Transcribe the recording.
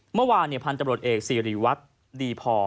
เมื่อวานพันธบรวจเอกสิริวัตรดีพอ